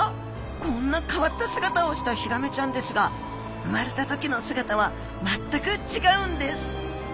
こんな変わった姿をしたヒラメちゃんですがうまれた時の姿は全くちがうんです！